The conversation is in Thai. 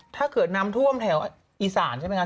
ถ้าเกิดน้ำท่วมแถวอีสานใช่ไหมคะ